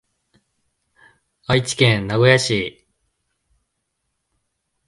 愛知県名古屋市